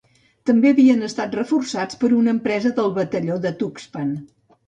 També havien estat reforçats per una empresa del batalló de Tuxpan.